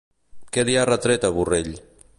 Què li ha retret a Borrell?